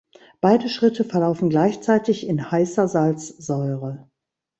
Beide Schritte verlaufen gleichzeitig in heißer Salzsäure.